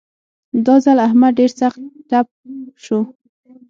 دا ځل احمد ډېر سخت تپ شو.